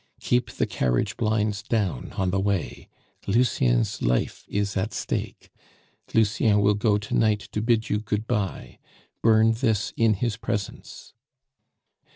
Keep the carriage blinds down on the way. Lucien's life is at stake. "Lucien will go to night to bid you good bye; burn this in his presence."